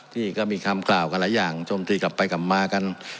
ที่ก็มีคำกล่าวกันหลายอย่างโจมตีกลับไปกลับมากัน